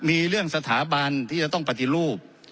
มีเรื่องสถาบันที่จะต้องปฏิรูป